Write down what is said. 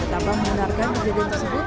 lokasi tambah mengenarkan kejadian tersebut